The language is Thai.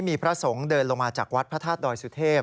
มีพระสงฆ์เดินลงมาจากวัดพระธาตุดอยสุเทพ